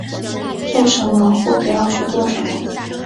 做什么或不要去做什么